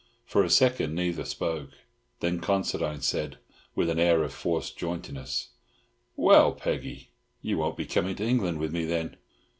For a second neither spoke. Then Considine said, with an air of forced jauntiness, "Well, Peggy, you won't be comin' to England with me, then?"